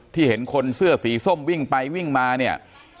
เห็นคนเสื้อสีส้มวิ่งไปวิ่งมาเนี่ย